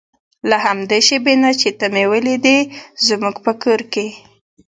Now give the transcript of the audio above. له همدې شېبې نه چې ته مې ولیدې زموږ په کور کې.